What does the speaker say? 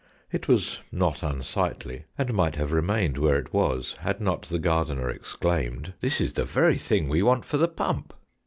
It was not unsightly, and might have remained where it was, had not the gardener exclaimed, " This is the very thing we want for the pump."